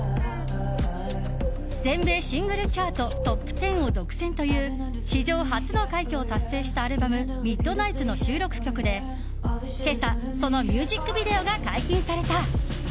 全米シングルチャートトップ１０を独占という史上初の快挙を達成したアルバム「ミッドナイツ」の収録曲で今朝、そのミュージックビデオが解禁された。